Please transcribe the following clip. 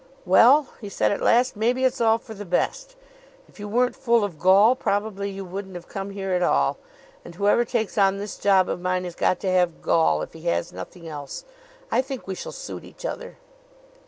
"Well," he said at last, "maybe it's all for the best. If you weren't full of gall probably you wouldn't have come here at all; and whoever takes on this job of mine has got to have gall if he has nothing else. I think we shall suit each other."